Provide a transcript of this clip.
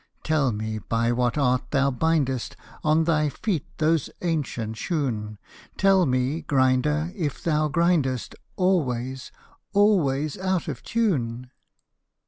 Tell me by what art thou bindest On thy feet those ancient shoon: Tell me, Grinder, if thou grindest Always, always out of tune.